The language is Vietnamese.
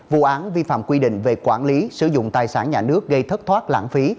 vụ án vi phạm quy định về quản lý sử dụng tài sản nhà nước gây thất thoát lãng phí